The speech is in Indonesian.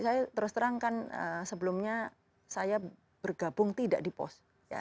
saya terus terang kan sebelumnya saya bergabung tidak di pos